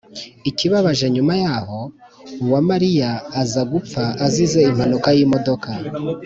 ikibabaje nyuma yaho, uwamariya aza gupfa azize impanuka y’imodoka.